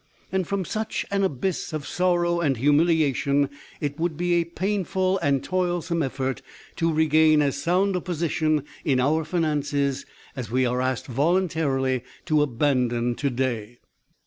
And from such an abyss of sorrow and humiliation, it would be a painful and toilsome effort to regain as sound a position in our finances as we are asked voluntarily to abandon to day.